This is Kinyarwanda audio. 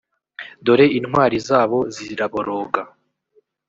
dore intwari zabo ziraboroga